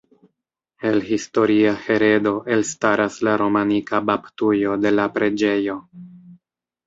El historia heredo elstaras la romanika baptujo de la preĝejo.